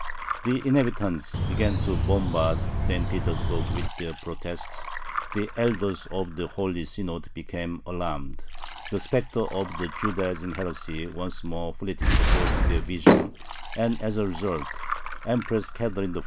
The inhabitants began to bombard St. Petersburg with their protests, the elders of the Holy Synod became alarmed, the specter of the "Judaizing heresy" once more flitted across their vision, and, as a result, Empress Catherine I.